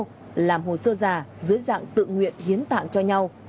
các đối tượng mua thận gặp nhau làm hồ sơ già dưới dạng tự nguyện hiến tạng cho nhau